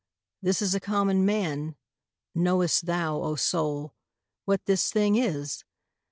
'This is a common man: knowest thou, O soul, What this thing is?